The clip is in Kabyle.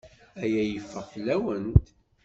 Aya yeffeɣ fell-awent.